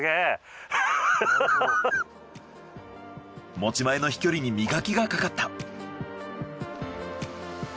持ち前の飛距離に磨きがかかった。